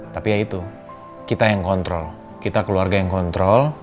tapi ya itu kita yang kontrol kita keluarga yang kontrol